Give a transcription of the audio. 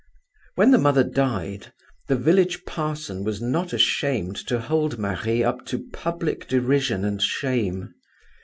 When the mother died, the village parson was not ashamed to hold Marie up to public derision and shame.